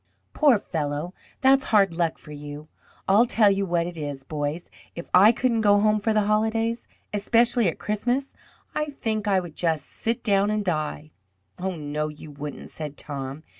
"Poor fellow! That's hard luck for you. I'll tell you what it is, boys, if I couldn't go home for the holidays, especially at Christmas I think I would just sit down and die." "Oh, no, you wouldn't," said Tom.